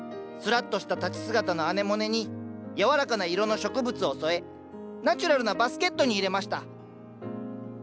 スラッとした立ち姿のアネモネにやわらかな色の植物を添えナチュラルなバスケットに入れました。